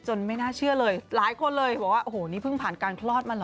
ไม่น่าเชื่อเลยหลายคนเลยบอกว่าโอ้โหนี่เพิ่งผ่านการคลอดมาเหรอ